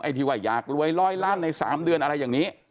ที่ว่าอยากรวย๑๐๐ล้านใน๓เดือนอะไรอย่างนี้